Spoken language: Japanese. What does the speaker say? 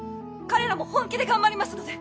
彼らも本気で頑張りますので